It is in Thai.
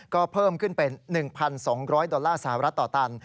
ก็เพิ่มขึ้นเป็น๑๒๐๐ดอลลาร์สหรัฐต่อตัน